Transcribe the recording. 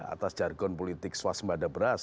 atas jargon politik soal semadab beras